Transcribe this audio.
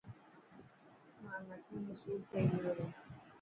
مائي مثي ۾ سوڙ ٿي گيو هي.